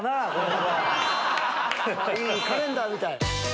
カレンダーみたい。